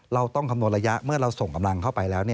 เราต้องคำนวณระยะเมื่อเราส่งกำลังเข้าไปแล้ว